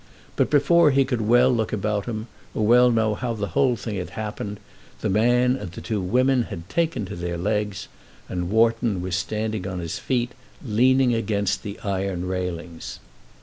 But before he could well look about him, or well know how the whole thing had happened, the man and the two women had taken to their legs, and Wharton was standing on his feet leaning against the iron railings.